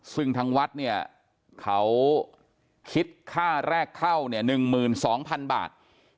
ซึ่งทางวัดเขาคิดค่าแรกเข้า๑๒๐๐๐บาท